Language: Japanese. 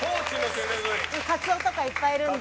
カツオとかいっぱいいるので。